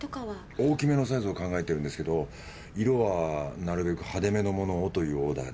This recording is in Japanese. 大きめのサイズを考えているんですけど色はなるべく派手めのものをというオーダーで。